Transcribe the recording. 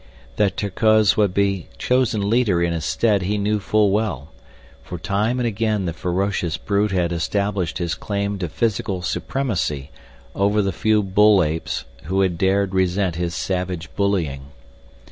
That Terkoz would be chosen leader in his stead he knew full well, for time and again the ferocious brute had established his claim to physical supremacy over the few bull apes who had dared resent his savage bullying.